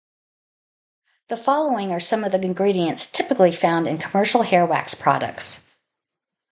The following are some of the ingredients typically found in commercial hair wax products.